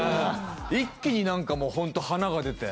一気になんかもうホント華が出て。